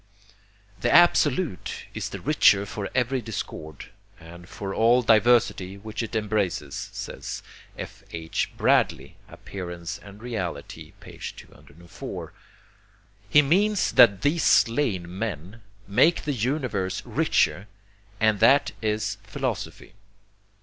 ] 'The Absolute is the richer for every discord, and for all diversity which it embraces,' says F. H. Bradley (Appearance and Reality, 204). He means that these slain men make the universe richer, and that is Philosophy.